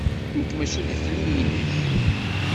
Nekk maci d akli-nnek!